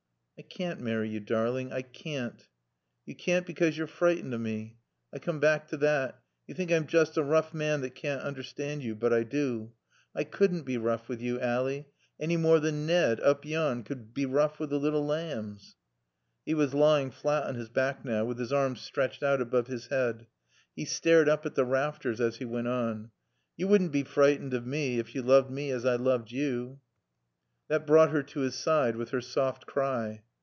"I can't marry you, darling. I can't." "Yo caann't, because yo're freetened o' mae. I coom back to thot. Yo think I'm joost a roough man thot caann't understand yo. But I do. I couldn't bae roough with yo, Ally, anny more than Nad, oop yon, could bae roough wi' t' lil laambs." He was lying flat on his back now, with his arms stretched out above his head. He stared up at the rafters as he went on. "Yo wouldn't bae freetened o' mae ef yo looved mae as I loove yo." That brought her to his side with her soft cry.